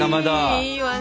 いいわね。